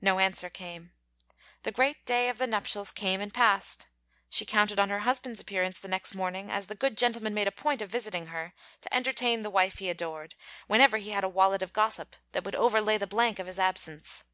No answer came. The great day of the nuptials came and passed. She counted on her husband's appearance the next morning, as the good gentleman made a point of visiting her, to entertain the wife he adored, whenever he had a wallet of gossip that would overlay the blank of his absence.